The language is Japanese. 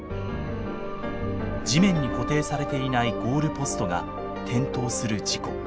地面に固定されていないゴールポストが転倒する事故。